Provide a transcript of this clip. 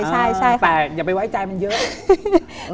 ใช่แต่อย่าไปไว้ใจมันเยอะ